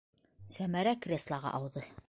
- Сәмәрә креслоға ауҙы.